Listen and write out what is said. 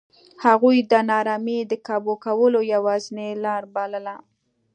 هغوی د نارامۍ د کابو کولو یوازینۍ لار بلله.